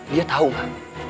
dia tahu ma